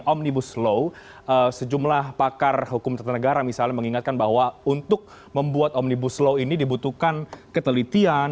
omnibus law sejumlah pakar hukum tata negara misalnya mengingatkan bahwa untuk membuat omnibus law ini dibutuhkan ketelitian